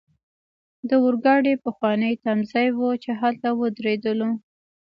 د اورګاډي پخوانی تمځای وو، چې هلته ودریدلو.